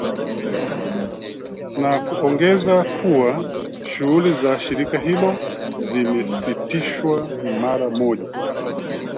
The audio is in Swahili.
na kuongeza kuwa shughuli za shirika hilo zimesitishwa mara moja